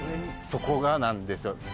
そこがなんですよ